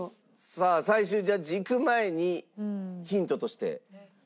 さあ最終ジャッジいく前にヒントとして街の方の声。